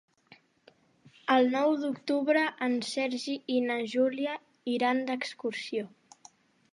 El nou d'octubre en Sergi i na Júlia iran d'excursió.